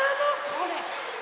これ。